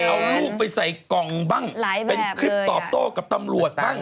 เอาลูกไปใส่กล่องบ้างเป็นคลิปตอบโต้กับตำรวจบ้าง